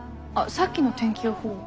さっきの天気予報は。